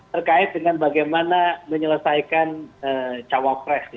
terkait dengan bagaimana menyelesaikan cawapres